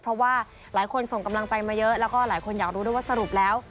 เพราะว่าหลายคนส่งกำลังใจมาเยอะแล้วก็หลายคนอยากรู้ด้วยว่าสรุปแล้ว